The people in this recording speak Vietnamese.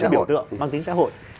bằng tính xã hội